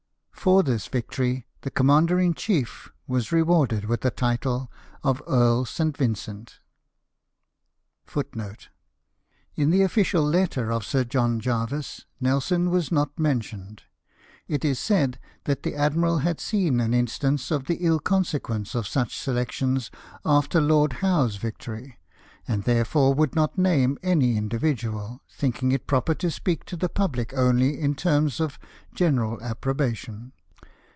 For this victory the commander in chief was re warded with the title of Earl St. Vincent."^ Nelson, * In the ofiScial letter of Sir John Jervis, Nelson was not mentioned. It is said that the admiral had seen an instance of the ill consequence of such selections after Lord Howe's victory, and therefore would not name any individual, thinking it proper to speak to the public only in terms of general approbation.